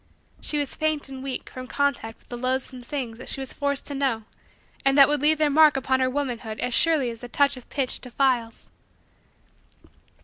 She was faint and weak from contact with the loathsome things that she was forced to know and that would leave their mark upon her womanhood as surely as the touch of pitch defiles.